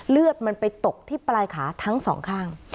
เลือดมันไปตกที่ปลายขาทั้งสองข้าง